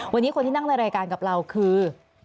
วันนี้คนที่นั่งในรายการกับเราคือ